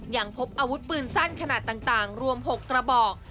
ยังพบอาวุธปืนสั้นขนาดต่างรวม๖กระบอก